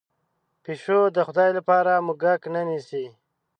پشو د خدای لپاره موږک نه نیسي.